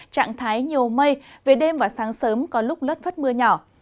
trạng thái nhiều mây về đêm và sáng sớm có lúc lất phất mưa nhỏ